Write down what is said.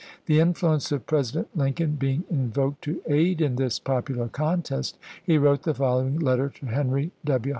The influence of President Lincoln being invoked to aid in this popular contest, he wrote the following letter to Henry W.